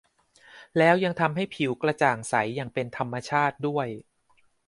แล้วยังทำให้ผิวกระจ่างใสอย่างเป็นธรรมชาติด้วย